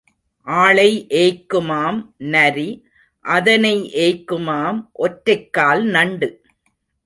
ஆளை ஏய்க்குமாம் நரி அதனை ஏய்க்குமாம் ஒற்றைக்கால் நண்டு.